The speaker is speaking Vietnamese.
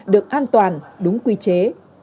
được an toàn đúng quy chế